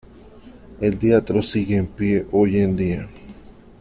El teatro sigue en pie hoy en día.